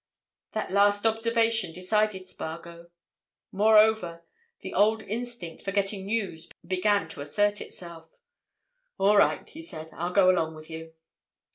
That last observation decided Spargo; moreover, the old instinct for getting news began to assert itself. "All right," he said. "I'll go along with you."